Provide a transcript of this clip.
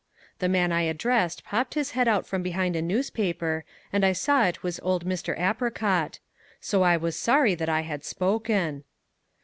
The man I addressed popped his head out from behind a newspaper and I saw it was old Mr. Apricot. So I was sorry that I had spoken.